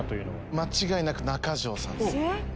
間違いなく中条さんです。